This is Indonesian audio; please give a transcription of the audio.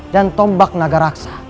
dan tombak naga raksa